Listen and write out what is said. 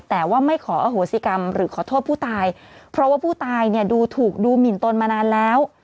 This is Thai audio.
แต่ว่าไม่ขออโหสิกรรมหรือขอโทษผู้ตายเพราะว่าผู้ตายเนี่ยดูถูกดูหมินตนมานานแล้ว